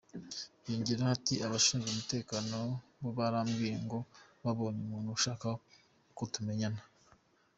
Yongeraho ati ‘Abashinzwe umutekano we barambwiye ngo ‘babonye umuntu ushaka ko tumenyana’.